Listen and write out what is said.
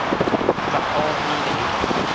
雜爊羹糜